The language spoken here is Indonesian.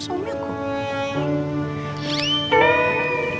em kenapa sih